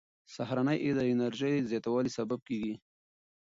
سهارنۍ د انرژۍ د زیاتوالي سبب کېږي.